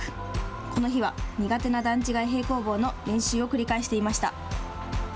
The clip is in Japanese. この日は、苦手な段違い平行棒の練習を繰り返していました。